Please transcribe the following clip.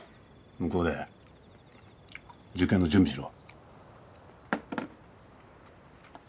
向こうで受験の準備しろ。